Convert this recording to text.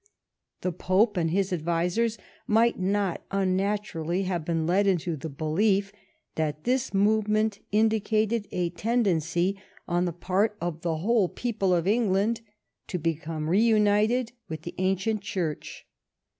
The Pope and his advisers might not unnaturally have been led into the belief that this movement indicated a tendency on the part of the whole people of England to become reunited with the ancient Church.